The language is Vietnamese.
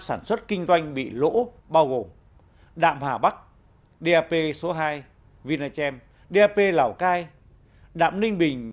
sản xuất kinh doanh bị lỗ bao gồm đạm hà bắc dap số hai vinachem dap lào cai đạm ninh bình